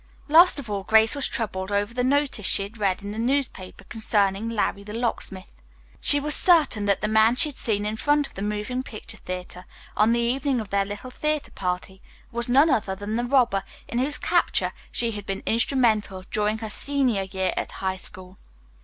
Last of all, Grace was troubled over the notice she had read in the paper concerning "Larry, the Locksmith." She was certain that the man she had seen in front of the moving picture theatre on the evening of their little theatre party was none other than the robber in whose capture she had been instrumental during her senior year at high school.